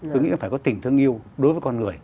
tôi nghĩ là phải có tình thương yêu đối với con người